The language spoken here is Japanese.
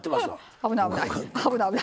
危ない危ない。